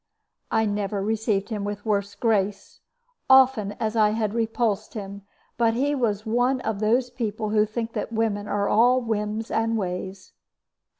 I never received him with worse grace, often as I had repulsed him; but he was one of those people who think that women are all whims and ways.